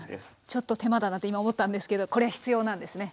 ちょっと手間だなって今思ったんですけどこれ必要なんですね。